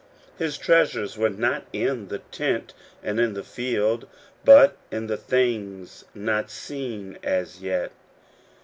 His treasures were not in the tent and in the field, but in the " things not seen as yet."